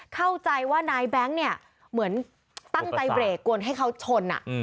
เข้าใจว่านายแบงค์เนี่ยเหมือนตั้งใจเบรกกวนให้เขาชน